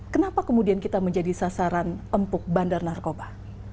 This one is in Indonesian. kenapa kemudian kita menjadi sasaran empuk bandar narkoba